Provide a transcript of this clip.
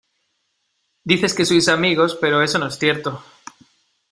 dices que sois amigos, pero eso no es cierto.